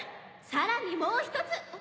さらにもう１つ！